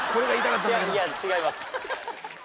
いやいや違います。